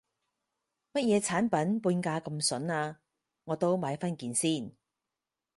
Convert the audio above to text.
乜嘢產品半價咁筍啊，我都買返件先